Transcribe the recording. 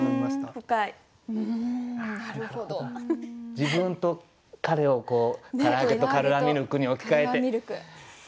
自分と彼を「唐揚げ」と「カルアミルク」に置き換えて。